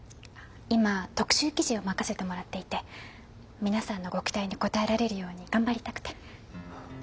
今特集記事を任せてもらっていて皆さんのご期待に応えられるように頑張りたくて。